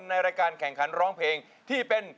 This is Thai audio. ในรายการแข่งขันร้องเพลงที่เป็น